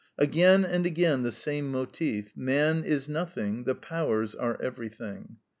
Again and again the same motif, MAN IS NOTHING, THE POWERS ARE EVERYTHING.